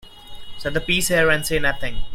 Set the piece here and say nothing.